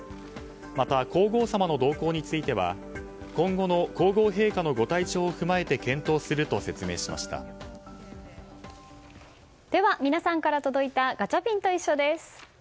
また皇后さまの同行については今後の皇后陛下のご体調を踏まえて検討するとでは、皆さんから届いたガチャピンといっしょ！です。